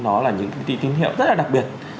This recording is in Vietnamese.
nó là những cái tín hiệu rất là đặc biệt